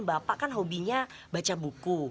bapak kan hobinya baca buku